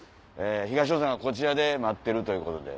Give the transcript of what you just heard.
東野さんがこちらで待ってるということで。